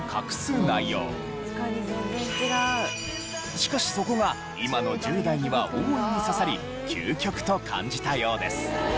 しかしそこが今の１０代には大いに刺さり究極と感じたようです。